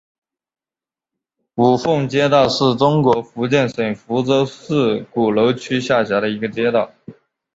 五凤街道是中国福建省福州市鼓楼区下辖的一个街道。